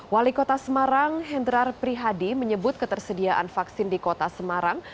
wali kota semarang hendrar prihadi menyebut ketersediaan vaksin di kota semarang